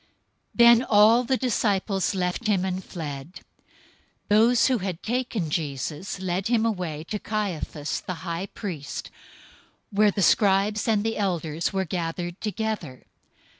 Then all the disciples left him, and fled. 026:057 Those who had taken Jesus led him away to Caiaphas the high priest, where the scribes and the elders were gathered together.